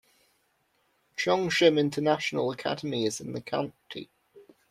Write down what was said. Cheongshim International Academy is in the county.